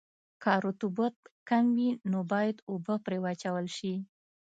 که رطوبت کم وي نو باید اوبه پرې واچول شي